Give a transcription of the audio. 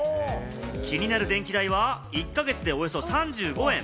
気になる電気代は１か月でおよそ３５円。